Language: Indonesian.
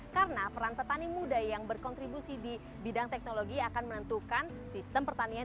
karena peran pertanian muda yang berkontribusi di bidang teknologi akan menentukan sistem pertanian